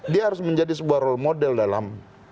dia harus menjadi sebuah role model dalam